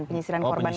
oh penyisiran korban